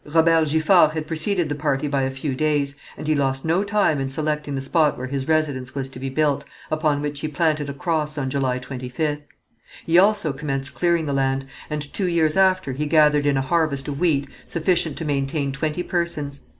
Robert Giffard had preceded the party by a few days, and he lost no time in selecting the spot where his residence was to be built, upon which he planted a cross on July 25th. He also commenced clearing the land, and two years after he gathered in a harvest of wheat sufficient to maintain twenty persons.